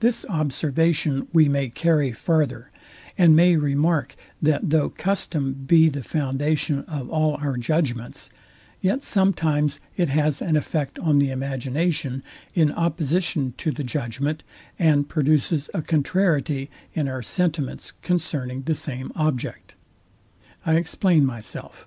This observation we may carry farther; and may remark, that though custom be the foundation of all our judgments, yet sometimes it has an effect on the imagination in opposition to the judgment, and produces a contrariety in our sentiments concerning the same object. I explain myself.